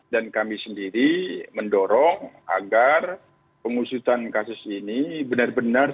dan kami sendiri mendorong agar pengusutan kasus ini benar benar